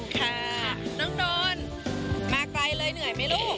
ค่ะน้องนอนมาไกลเลยเหนื่อยไหมลูก